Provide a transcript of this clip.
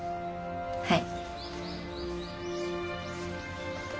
はい。